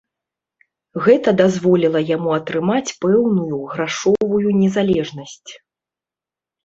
Гэта дазволіла яму атрымаць пэўную грашовую незалежнасць.